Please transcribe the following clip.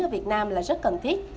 ở việt nam là rất cần thiết